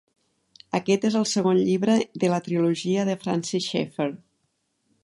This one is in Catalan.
Aquest és el segon llibre de la Trilogia de Francis Schaeffer.